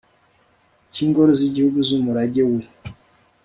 cy Ingoro z Igihugu z Umurage w u